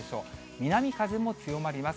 南風も強まります。